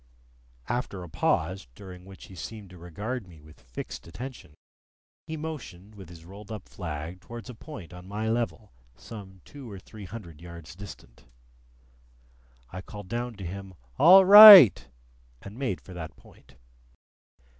After a pause, during which he seemed to regard me with fixed attention, he motioned with his rolled up flag towards a point on my level, some two or three hundred yards distant. I called down to him, "All right!" and made for that point.